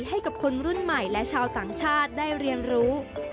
ให้กับคนรุ่นใหม่และชาวต่างชาติได้เรียนรู้